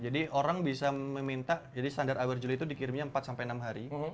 jadi orang bisa meminta jadi standar awer zule itu dikirinya empat sampai enam hari